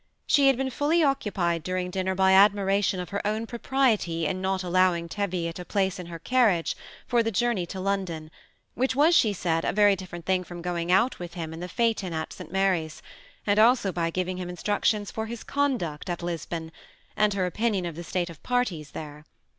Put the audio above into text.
She had been fully occupied during dinner by admiration of her own propriety in not allowing Teviot a place in her carriage for the journey to London, which was, she said, a very different thing from going out with him in the phaeton at St. Mary's ; and also by giving him instructions for his conduct at Lisbon ; and her opinion of the state of parties there.